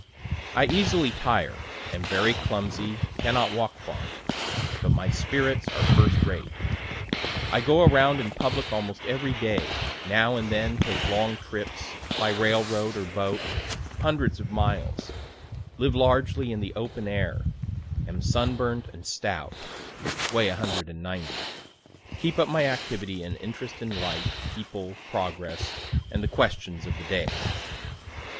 I easily tire, am very clumsy, cannot walk far; but my spirits are first rate. I go around in public almost every day now and then take long trips, by railroad or boat, hundreds of miles live largely in the open air am sunburnt and stout, (weigh 190) keep up my activity and interest in life, people, progress, and the questions of the day.